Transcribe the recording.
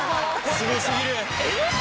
すご過ぎるＭＣ？